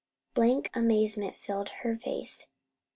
Blank amazement filled her face.